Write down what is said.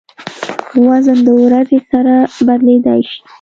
وزن د ورځې سره بدلېدای شي.